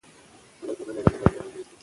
پژو د ستونزو سره مخ و.